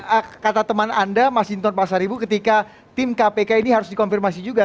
tapi kata teman anda mas hinton pasaribu ketika tim kpk ini harus dikonfirmasi juga